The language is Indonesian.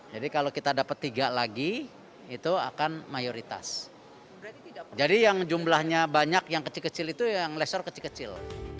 jadi yang jumlahnya banyak yang kecil kecil itu yang lesor kecil kecil